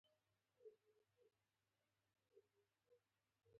بوردینګ پاس واخیستل شو.